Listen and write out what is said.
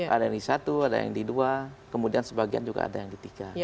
ada yang di satu ada yang di dua kemudian sebagian juga ada yang di tiga